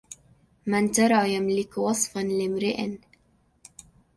من ترى يملك وصفا لامريء